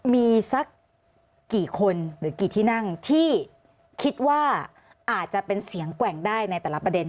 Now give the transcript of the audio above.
มีสักกี่คนหรือกี่ที่นั่งที่คิดว่าอาจจะเป็นเสียงแกว่งได้ในแต่ละประเด็น